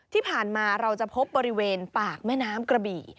ที่ผ่านมาเราจะพบบริเวณปากแม่น้ำกระบี่